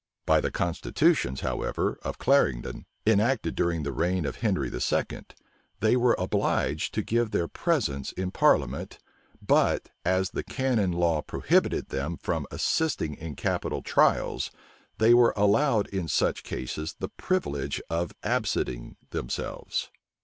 By the constitutions, however, of Clarendon, enacted during the reign of Henry II., they were obliged to give their presence in parliament; but as the canon law prohibited them from assisting in capital trials, they were allowed in such cases the privilege of absenting themselves.